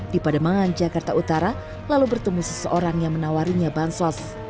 di pademangan jakarta utara lalu bertemu seseorang yang menawarinya bansos